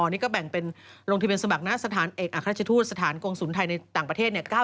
นี่ก็แบ่งเป็นลงทะเบียนสมัครหน้าสถานเอกอัครราชทูตสถานกงศูนย์ไทยในต่างประเทศ